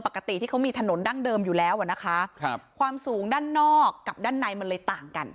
ปกติที่เขามีถนนดั้งเดิมอยู่แล้วอ่ะนะคะครับความสูงด้านนอกกับด้านในมันเลยต่างกัน